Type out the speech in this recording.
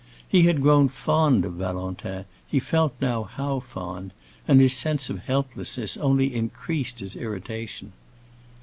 He had grown fond of Valentin, he felt now how fond; and his sense of helplessness only increased his irritation.